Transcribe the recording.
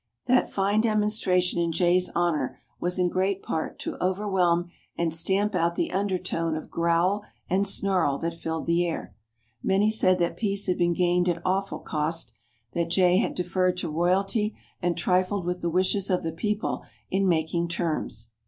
That fine demonstration in Jay's honor was in great part to overwhelm and stamp out the undertone of growl and snarl that filled the air. Many said that peace had been gained at awful cost, that Jay had deferred to royalty and trifled with the wishes of the people in making terms.